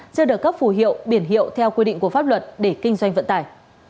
chưa được cấp phù hiệu biển hiệu theo quy định của pháp luật để kinh doanh vận tải